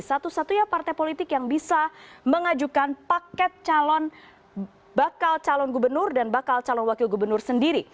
satu satunya partai politik yang bisa mengajukan paket calon bakal calon gubernur dan bakal calon wakil gubernur sendiri